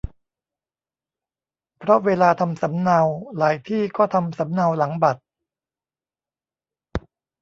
เพราะเวลาทำสำเนา หลายที่ก็ทำสำเนาหลังบัตร